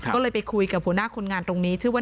ก็เลยไปคุยกับหัวหน้าคนงานตรงนี้ชื่อว่า